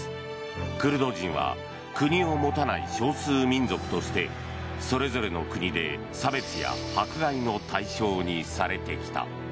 クルド人は国を持たない少数民族としてそれぞれの国で差別や迫害の対象にされてきた。